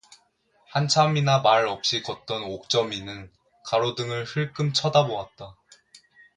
한참이나 말 없이 걷던 옥점이는 가로등을 흘금 쳐다보았다.